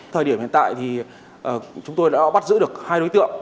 thời điểm hiện tại thì chúng tôi đã bắt giữ được hai đối tượng